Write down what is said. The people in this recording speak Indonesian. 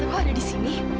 tante kau ada di sini